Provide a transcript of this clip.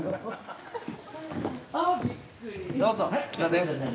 どうぞ。